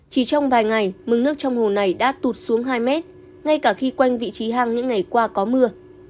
chỉ trong vài ngày mực nước trong hồ này đã tụt xuống hai mét ngay cả khi quanh vị trí hang những ngày qua có mưa